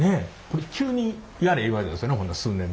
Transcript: これ急にやれ言われたんですよね？